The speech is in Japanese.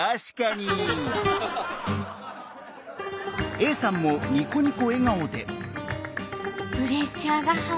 Ａさんもニコニコ笑顔で。